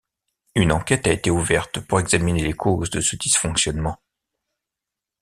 Une enquête a été ouverte pour examiner les causes de ce dysfonctionnement.